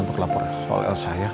untuk lapor soal elsa ya